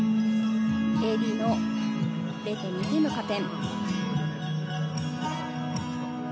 ＡＤの２点の加点。